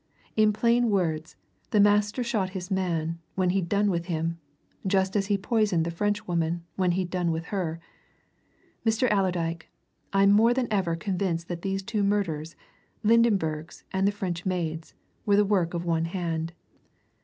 In plain words, the master shot his man when he'd done with him. Just as he poisoned the Frenchwoman when he'd done with her. Mr. Allerdyke, I'm more than ever convinced that these two murders Lydenberg's and the French maid's were the work of one hand."